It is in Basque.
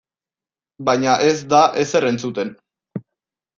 Baina ez da ezer entzuten.